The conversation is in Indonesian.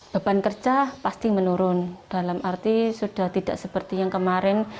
beban kerja pasti menurun dalam arti sudah tidak seperti yang kemarin